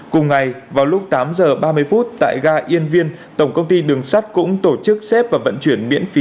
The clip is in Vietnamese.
cùng ngày vào lúc tám giờ ba mươi phút tại ga yên viên tổng công ty đường sắt cũng tổ chức xếp và vận chuyển miễn phí